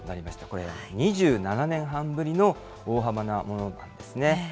これ、２７年半ぶりの大幅なものなんですね。